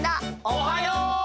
おはよう！